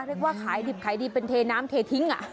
เรียกว่าขายดิบขายดีเป็นเทน้ำเททิ้ง